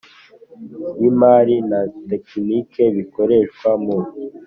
Y imari na tekiniki bikoreshwa mu